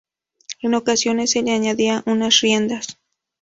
En ocasiones se le añadían unas riendas.